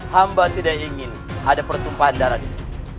hamba tidak ingin ada pertumpahan darah disini